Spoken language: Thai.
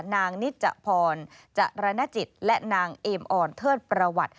นางนิจพรจรรณจิตและนางเอมออนเทิดประวัติ